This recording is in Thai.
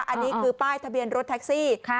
อันนี้คือป้ายทะเบียนรถแท็กซี่